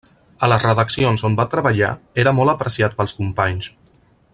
A les redaccions on va treballar era molt apreciat pels companys.